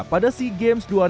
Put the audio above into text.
pertama kali di indonesia